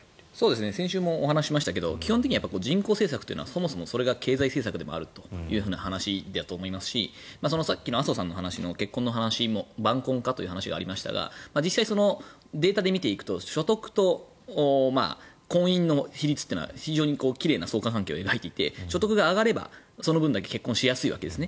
先週もお話ししましたが基本的には人口政策というのはそもそもそれが経済政策でもあるという話だと思いますしさっきの麻生さんの晩婚化の話がありましたが実際、データで見ていくと所得と婚姻の比率というのは非常に奇麗な相関関係を描いていて所得が上がれば、その分だけ結婚しやすいわけですね。